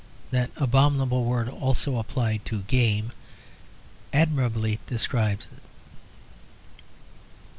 That abominable word (also applied to game) admirably describes it.